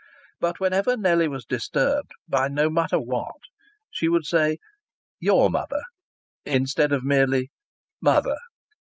But whenever Nellie was disturbed, by no matter what, she would say "your mother" instead of merely "mother!"